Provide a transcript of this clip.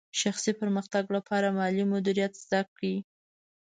شخصي پرمختګ لپاره مالي مدیریت زده کړئ.